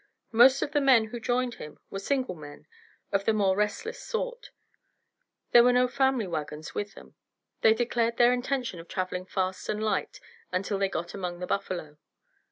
Most of the men who joined him were single men, of the more restless sort. There were no family wagons with them. They declared their intention of traveling fast and light until they got among the buffalo.